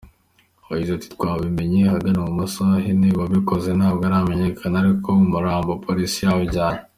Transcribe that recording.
Yagize ati “Twabimenye ahagana mu masaa ine uwabikoze ntabwo aramenyekana ariko umurambo Polisi yawujyanye.